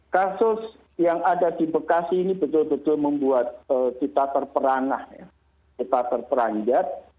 kasus yang ada di bekasi ini betul betul membuat kita terperanjat